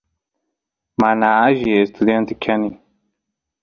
mana alli estudiante kani